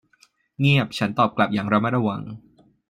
เงียบ ฉันตอบกลับอย่างระมัดระวัง